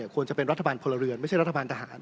ควรจะเป็นรัฐบาลพลเรือนไม่ใช่รัฐบาลทหาร